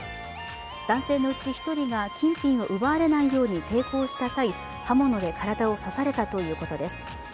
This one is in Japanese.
男性のうち１人が金品を奪われないように抵抗した際に刃物で体を刺されたということです。